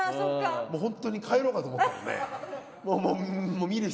本当に帰ろうかと思ったもんね。